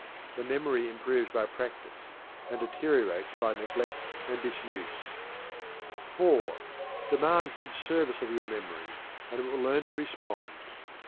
The memory improves by practice, and deteriorates by neglect and disuse. (4) Demand good service of your memory, and it will learn to respond.